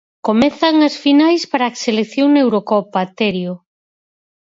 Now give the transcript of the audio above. Comezan as finais para a selección na Eurocopa, Terio.